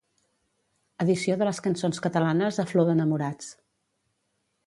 Edició de les cançons catalanes a Flor d'enamorats.